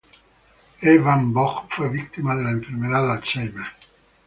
E. van Vogt fue víctima de la enfermedad de Alzheimer.